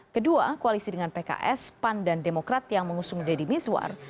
kedua koalisi dengan pks pan dan demokrat yang mengusung deddy miswar